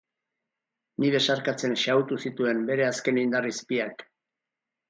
Ni besarkatzen xahutu zituen bere azken indar izpiak.